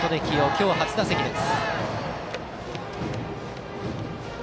今日初打席です。